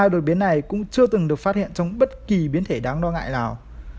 hai đột biến này cũng chưa từng được phát hiện trong bất kỳ biến thể đáng lo ngại nào